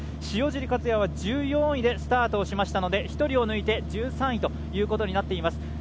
塩尻和也は１４位でスタートしましたので１人を抜いて１３位ということになっています。